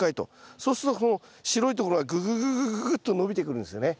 そうするとこの白いところがググググググッと伸びてくるんですよね。